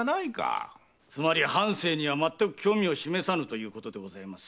つまり藩政にはまったく興味を示さぬということでございます。